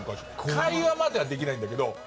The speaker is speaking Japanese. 会話まではできないんだけど。